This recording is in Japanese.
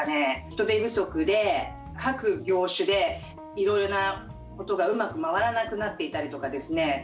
人手不足で各業種で色々なことがうまく回らなくなっていたりとかですね